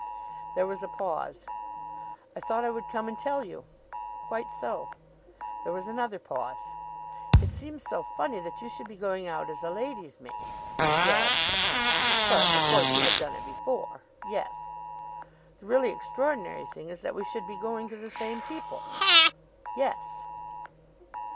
There was a pause. "I thought I would come and tell you." "Quite so." There was another pause. "It seems so funny that you should be going out as a lady's maid." "Yes?" "But, of course, you have done it before." "Yes." "The really extraordinary thing is that we should be going to the same people." "Yes."